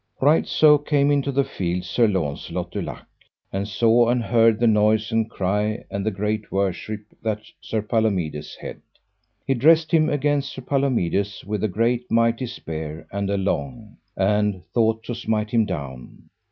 Right so came into the field Sir Launcelot du Lake, and saw and heard the noise and cry and the great worship that Sir Palomides had. He dressed him against Sir Palomides, with a great mighty spear and a long, and thought to smite him down.